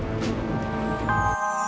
masih untung lo anaknya bang